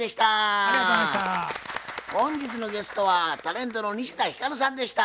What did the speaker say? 本日のゲストはタレントの西田ひかるさんでした。